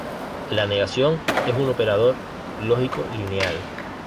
La negación es un operador lógico lineal.